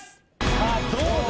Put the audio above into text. さあ、どうだ？